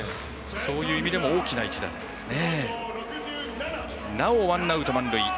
そういう意味でも大きな一打なんですね。